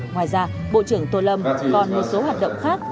ngoài ra bộ trưởng tô lâm còn một số hoạt động khác